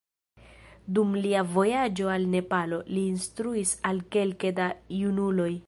Dum lia vojaĝo al Nepalo, li instruis al kelke da junuloj.